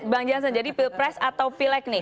bang jansen jadi pilpres atau pilek nih